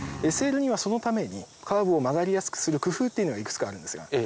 ＳＬにはそのためにカーブを曲がりやすくする工夫っていうのがいくつかあるんですが。